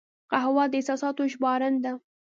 قهوه د احساساتو ژباړن ده